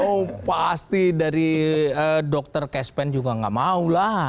oh pasti dari dokter cash pen juga gak mau lah